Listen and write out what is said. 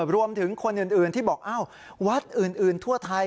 รวมถึงคนอื่นที่บอกวัดอื่นทั่วไทย